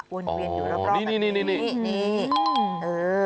อวนเวียนอยู่รอบแบบนี้